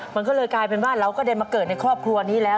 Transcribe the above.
มันก็เลยกลายเป็นว่าเราก็เดินมาเกิดในครอบครัวนี้แล้ว